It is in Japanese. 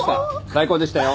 最高でしたよ。